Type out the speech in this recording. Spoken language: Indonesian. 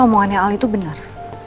omongannya al itu bener